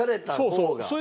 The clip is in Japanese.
そうそう。